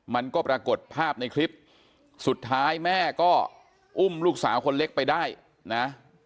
มันก็ปรากฏภาพในคลิปสุดท้ายแม่ก็อุ้มลูกสาวคนเล็กไปได้นะ